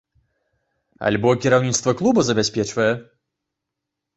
Альбо кіраўніцтва клуба забяспечвае?